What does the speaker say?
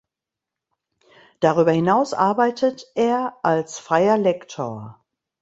Darüber hinaus arbeitet er als freier Lektor.